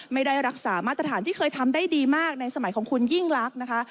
ไม่ได้รักษามาตรฐานที่เคยทำได้ดีมากในสมัยของคุณยิ่งลักษณ์นะคะ